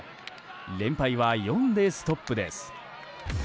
連敗は４でストップです。